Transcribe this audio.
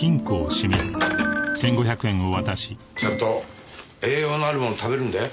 ちゃんと栄養のあるもの食べるんだよ。